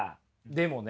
でもね